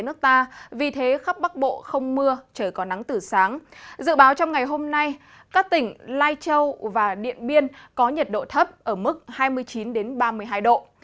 dự báo trong ngày hôm nay các tỉnh lai châu và điện biên có nhiệt độ thấp ở mức hai mươi chín ba mươi hai độ